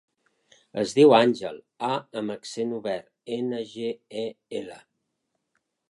Es diu Àngel: a amb accent obert, ena, ge, e, ela.